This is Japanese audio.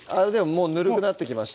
もうぬるくなってきました